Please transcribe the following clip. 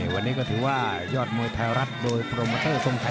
วันนี้ก็ถือว่ายอดมวยไทยรัฐโดยโปรโมเตอร์ทรงไทย